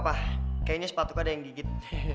kayaknya sepatu kode yang gigit